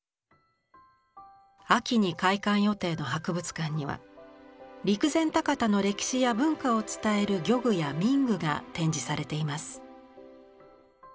秋に開館予定の博物館には陸前高田の歴史や文化を伝える漁具や民具が展示されています。